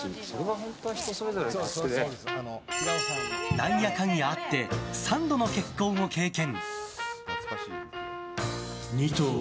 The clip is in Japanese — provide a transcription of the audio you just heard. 何やかんやあって３度の結婚を経験。